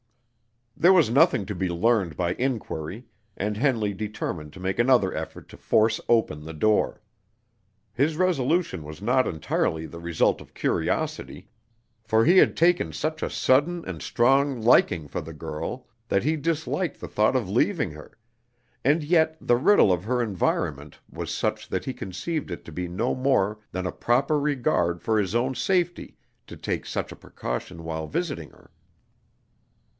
There was nothing to be learned by inquiry, and Henley determined to make another effort to force open the door. His resolution was not entirely the result of curiosity, for he had taken such a sudden and strong liking for the girl that he disliked the thought of leaving her; and yet the riddle of her environment was such that he conceived it to be no more than a proper regard for his own safety to take such a precaution while visiting her.